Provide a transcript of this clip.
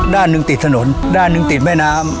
ด้านหนึ่งติดถนนด้านหนึ่งติดแม่น้ำ